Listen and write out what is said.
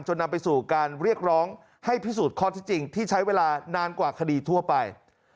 นำไปสู่การเรียกร้องให้พิสูจน์ข้อที่จริงที่ใช้เวลานานกว่าคดีทั่วไป